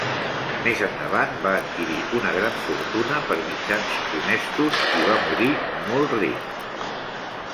Més endavant va adquirir una gran fortuna per mitjans honestos i va morir molt ric.